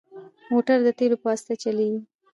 موټر د تیلو په واسطه چلېږي.